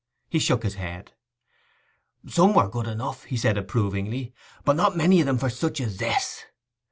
He shook his head. 'Some were good enough,' he said approvingly; 'but not many of them for such as this.